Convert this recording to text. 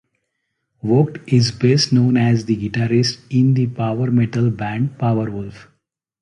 Vogt is best known as the guitarist in the power metal band Powerwolf.